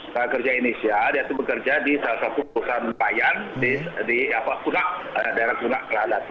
tenaga kerja indonesia dia itu bekerja di salah satu perusahaan bayan di daerah tuna ladaku